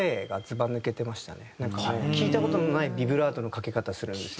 なんか聴いた事のないビブラートのかけ方するんですよ。